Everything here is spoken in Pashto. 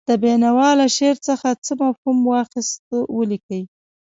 د بېنوا له شعر څخه څه مفهوم واخیست ولیکئ.